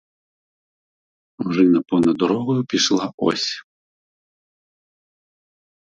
Ожина понад дорогою пішла ось.